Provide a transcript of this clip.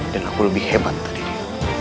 dan aku lebih hebat dari dia